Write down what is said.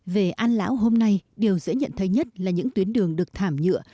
về an lão hôm nay điều dễ nhận thấy nhất là những tuyến đường được thảm nhựa